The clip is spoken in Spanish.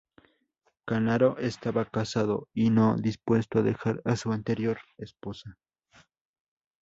Canaro estaba casado y no dispuesto a dejar a su anterior esposa.